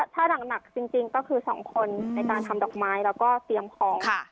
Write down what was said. ถ้าหนักจริงก็คือ๒คนในการทำดอกไม้แล้วก็เตรียมของ